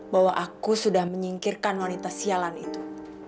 bahwa aku sudah menyingkirkan wanita sialan itu